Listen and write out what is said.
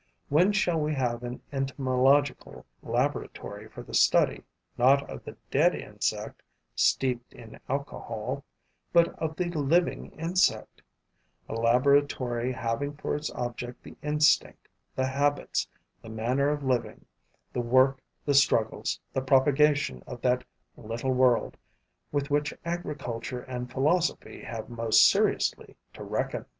When shall we have an entomological laboratory for the study not of the dead insect, steeped in alcohol, but of the living insect; a laboratory having for its object the instinct, the habits, the manner of living, the work, the struggles, the propagation of that little world, with which agriculture and philosophy have most seriously to reckon?